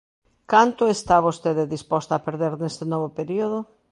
¿Canto está vostede disposta a perder neste novo período?